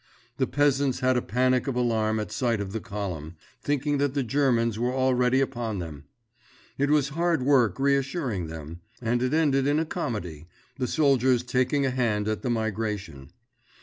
The peasants had a panic of alarm at sight of the column, thinking that the Germans were already upon them. It was hard work reassuring them; and it ended in a comedy, the soldiers taking a hand at the migration.